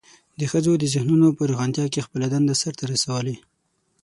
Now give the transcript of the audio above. د ښځو د ذهنونو په روښانتیا کې خپله دنده سرته رسولې.